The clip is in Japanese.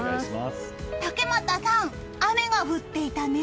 竹俣さん、雨が降っていたね。